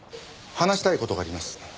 話したい事があります。